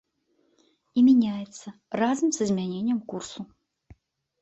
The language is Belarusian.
І мяняецца разам са змяненнем курсу.